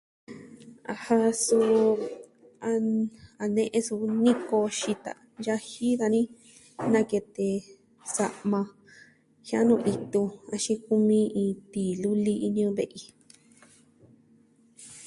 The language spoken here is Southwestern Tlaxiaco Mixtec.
Ajan, suu a ne'e suu niko xita yaji dani, nakete sa'ma, jia'nu itu axin kumi iin tii luli ini ve'i.